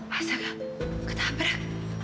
masa nggak ketabrak